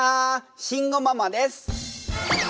慎吾ママです！